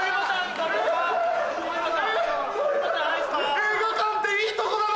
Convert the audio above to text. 映画館っていいとこだな！